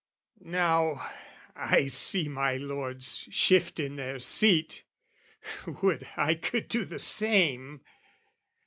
Now, I see my lords Shift in their seat, would I could do the same!